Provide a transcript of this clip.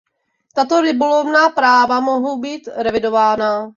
Tato rybolovná práva mohou být revidována.